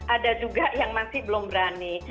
ada juga yang masih belum berani